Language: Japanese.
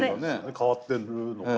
変わってるのか。